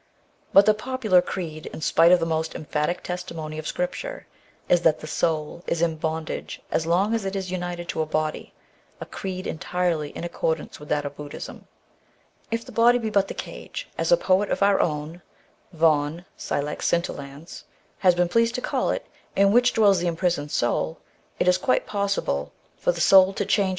But the popular creed, in spite of the most emphatic testimony of Scripture, is that the soul is in bondage so long as it is united to a body, a creed entirely in accordance with that of Buddism. If the body be but the cage, as a poet * of our own has been pleased to call it, in which dwells the im prisoned soul, it is quite possible for the soul to change * Vaughan, SUex Scintillans. OBIGm OF THE WERE WOLF MYTH.